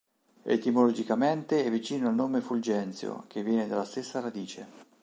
Etimologicamente è vicino al nome Fulgenzio, che viene dalla stessa radice.